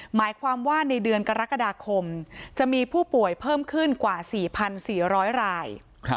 หมายความว่าในเดือนกรกฎาคมจะมีผู้ป่วยเพิ่มขึ้นกว่า๔๔๐๐ราย